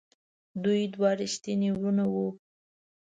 دوی دوه ریښتیني وروڼه وو.